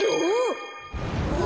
お？